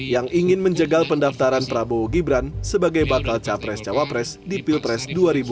yang ingin menjegal pendaftaran prabowo gibran sebagai bakal capres cawapres di pilpres dua ribu dua puluh